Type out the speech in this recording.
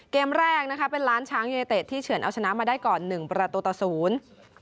เกมแรกนะคะเป็นล้านช้างยูเนเต็ดที่เฉินเอาชนะมาได้ก่อนหนึ่งประตูต่อศูนย์